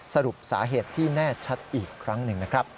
สรุปสาเหตุที่แน่ชัดอีกครั้งหนึ่งนะครับ